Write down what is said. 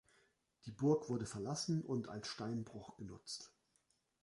Die Burg wurde verlassen und als Steinbruch genutzt.